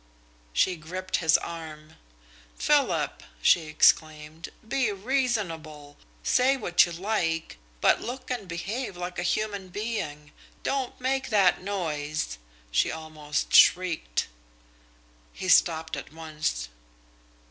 She gripped his arm. "Philip!" she exclaimed. "Be reasonable! Say what you like, but look and behave like a human being. Don't make that noise!" she almost shrieked. He stopped at once.